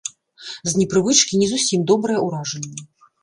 З непрывычкі не зусім добрае ўражанне.